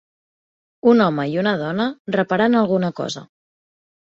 Un home i una dona reparant alguna cosa.